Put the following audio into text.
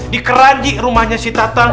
di keranji rumahnya si tatang